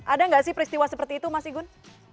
ada nggak sih peristiwa seperti itu mas igun